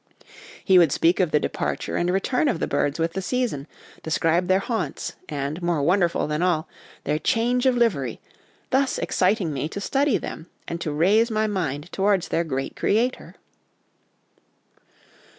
He would speak of the departure and return of the birds with the season, describe their haunts, and, more wonderful than all, their change of livery, thus exciting me to study them, and to raise my mind towards their great Creator."